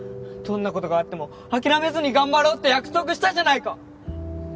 どんな事があっても諦めずに頑張ろうって約束したじゃないか！